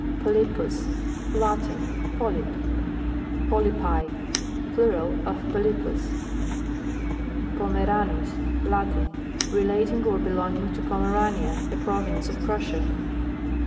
POLYPUS. Latin. Polype. POLYPI. Plural of Polypus. POMERANUS. Latin. Relating or be longing to Pomerania, a province of Prussia.